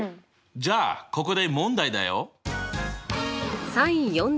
じゃあここで問題だよ。